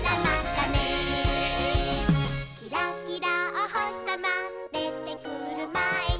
「キラキラおほしさまでてくるまえに」